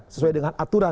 sesuai dengan aturan